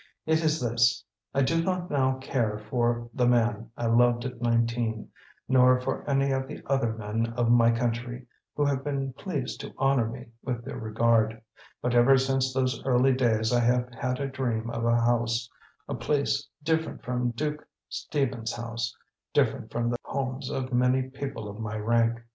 It is this: I do not now care for the man I loved at nineteen, nor for any of the other men of my country who have been pleased to honor me with their regard. But ever since those early days I have had a dream of a home a place different from Duke Stephen's home, different from the homes of many people of my rank.